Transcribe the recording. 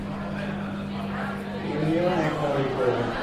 Union এক মৌলিক প্রয়োজন।